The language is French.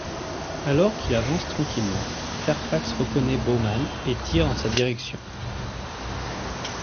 Alors qu'ils avancent tranquillement, Fairfax reconnaît Bowman et tire en sa direction.